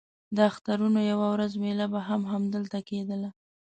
د اخترونو یوه ورځ مېله به هم همدلته کېدله.